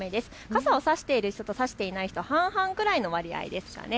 傘を差している人と差していない人、半々程度の割合ですかね。